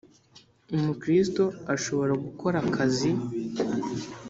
Umukristo ashobora gukora akazi.